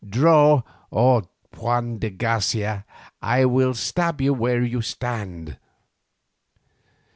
Draw, or, Juan de Garcia, I will stab you where you stand."